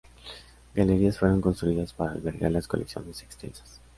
Galerías fueron construidas para albergar las colecciones extensas.